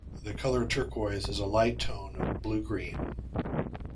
The color "turquoise" is a light tone of blue-green.